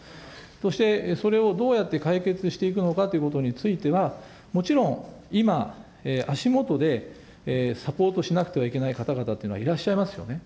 そしてそれをどうやって解決していくのかということについては、もちろん、今、足下でサポートしなくてはいけない方々というのはいらっしゃいますよね。